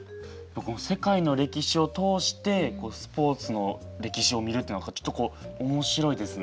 世界の歴史を通してスポーツの歴史を見るっていうのはちょっとこうおもしろいですね。